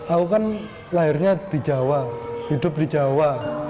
aku kan lahirnya di jawa hidup di jawa